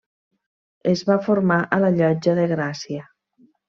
Es va formar a la Llotja de Gràcia.